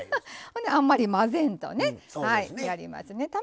あんまり混ぜんとねやりますね。